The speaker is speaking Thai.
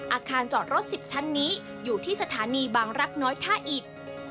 อาคารจอดรถ๑๐ชั้นนี้อยู่ที่สถานีบางรักน้อยท่าอิด